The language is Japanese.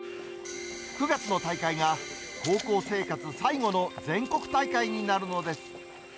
９月の大会が、高校生活最後の全国大会になるのです。